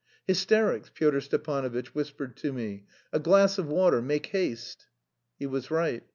"Hysterics!" Pyotr Stepanovitch whispered to me. "A glass of water, make haste!" He was right.